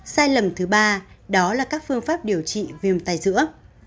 sai lầm thứ ba đó là các phương pháp điều trị viêm tài giữa